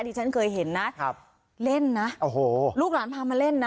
ที่ฉันเคยเห็นนะครับเล่นนะโอ้โหลูกหลานพามาเล่นนะ